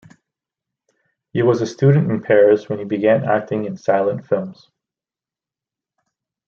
He was a student in Paris when he began acting in silent films.